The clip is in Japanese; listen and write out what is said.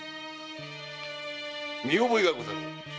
見覚えがござろう。